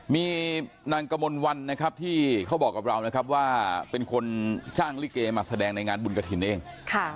มีนางกมลวันนะครับที่เขาบอกกับเรานะครับว่าเป็นคนจ้างลิเกมาแสดงในงานบุญกระถิ่นเองค่ะ